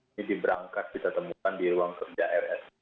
ini diberangkat kita temukan di ruang kerja rs